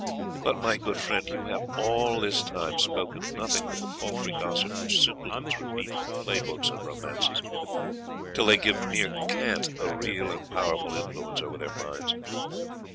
But, my good friend, you have all this time spoke nothing but the paltry gossip which simpletons repeat from play books and romances, till they give mere cant a real and powerful influence over their minds.